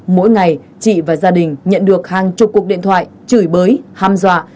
mỗi ngày chị và gia đình nhận được hàng chục cuộc điện thoại chửi bới ham dọa